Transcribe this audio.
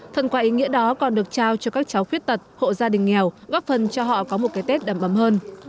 phần quà ý nghĩa đó còn được trao cho các cháu khuyết tật hộ gia đình nghèo góp phần cho họ có một cái tết đầm ấm hơn